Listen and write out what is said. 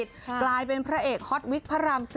เพชรถเป็นพระเอกฮอตวิกพระรามสี่